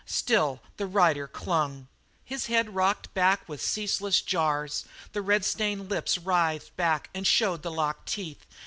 Still the rider clung. His head rocked with the ceaseless jars; the red stained lips writhed back and showed the locked teeth.